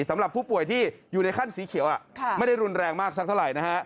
สำหรับผู้ป่วยที่อยู่ในขั้นสีเขียวไม่ได้รุนแรงมากสักเท่าไหร่นะฮะ